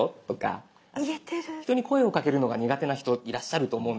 人に声をかけるのが苦手な人いらっしゃると思うんです。